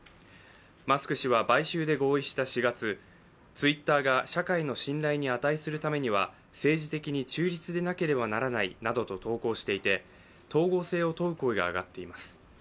マスク氏は買収で合意した４月Ｔｗｉｔｔｅｒが社会の信頼に値するためには政治的に中立でなければならないなどと投稿していて整合性を問う声が上がっています。